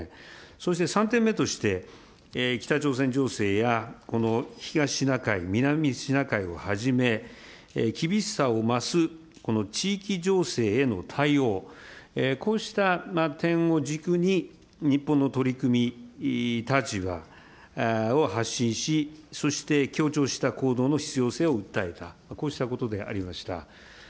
そして３点目として、北朝鮮情勢や東シナ海、南シナ海をはじめ、厳しさを増すこの地域情勢への対応、こうした点を軸に、日本の取り組み、立場を発信し、そして協調した行動の必要性を訴えた、こうしたことでありました。